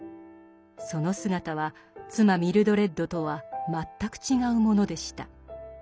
その姿は妻ミルドレッドとは全く違うものでした。